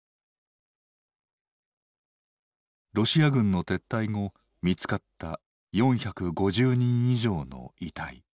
ロシア軍の撤退後見つかった４５０人以上の遺体。